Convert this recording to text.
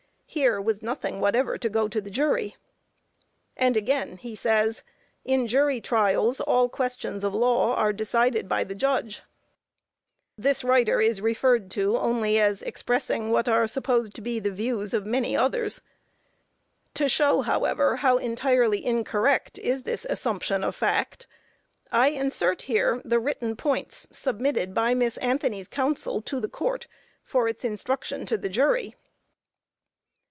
Here was nothing whatever to go to the jury." And again he says: "In jury trials all questions of law are decided by the judge." This writer is referred to only as expressing what are supposed to be the views of many others. To show, however, how entirely incorrect is this assumption of fact, I insert here the written points submitted by Miss Anthony's counsel to the Court, for its instruction to the jury.